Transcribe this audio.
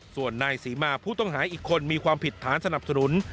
ส่วนนายศรีมาผู้ต้องหาอีกคนมีความผิดฐานสนับสนุน